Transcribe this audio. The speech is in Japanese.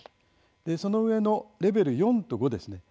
その上のレベル４と５です。